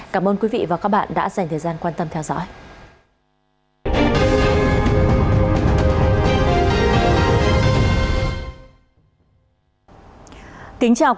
cảm ơn quý vị và các bạn đã dành thời gian quan tâm theo dõi